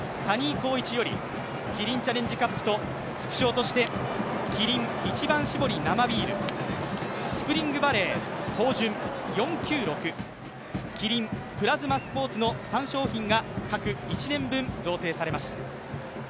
光一より、キリンチャレンジカップと副賞としてキリン一番搾り生ビールＳＰＲＩＮＧＶＡＬＬＥＹ豊潤４９６キリンプラズマスポーツの３商品が各１年分贈呈されます。